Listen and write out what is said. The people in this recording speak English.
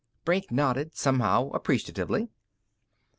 Brink nodded, somehow appreciatively.